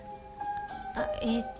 あえっと。